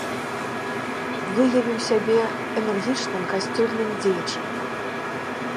Выявіў сябе энергічным касцёльным дзеячам.